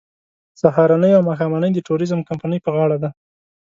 سهارنۍ او ماښامنۍ د ټوریزم کمپنۍ په غاړه ده.